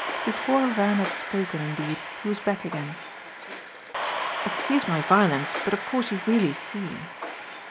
Before Van had spoken indeed he was back again. "Excuse my violence, but of course you really see."